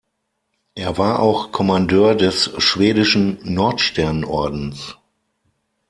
Er war auch Kommandeur des schwedischen Nordstern-Ordens.